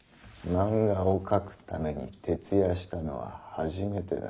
漫画を描くために徹夜したのは初めてだ。